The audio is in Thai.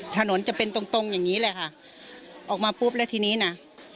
ถนนจะเป็นตรงตรงอย่างนี้แหละค่ะออกมาปุ๊บแล้วทีนี้น่ะ